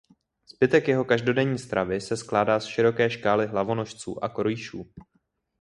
Zbytek jeho každodenní stravy se skládá z široké škály hlavonožců a korýšů.